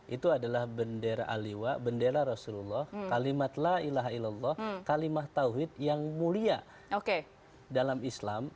itu adalah bendera aliwa bendera rasulullah kalimat la ilaha ilallah kalimat tawhid yang mulia dalam islam